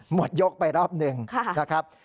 หมดยกไปรอบหนึ่งนะครับ